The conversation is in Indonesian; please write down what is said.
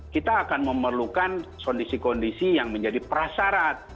kita akan memerlukan kondisi kondisi yang menjadi prasarat